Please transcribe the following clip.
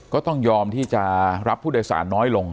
ก็ต้องยอมที่จะรับผู้โดยสารน้อยลง